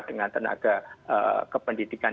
dengan tenaga kependidikan